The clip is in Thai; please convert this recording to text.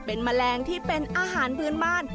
เป็นแมลงที่เป็นอาหารพื้นบ้าน